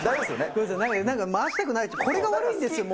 なんか、回したくなる、これが悪いんですよ、もう。